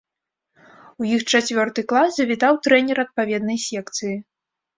У іх чацвёрты клас завітаў трэнер адпаведнай секцыі.